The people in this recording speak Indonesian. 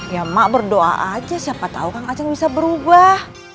ya mak berdoa aja siapa tahu kang aceh bisa berubah